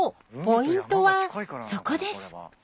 ポイントはそこです］